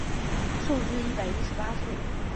寿至一百一十八岁。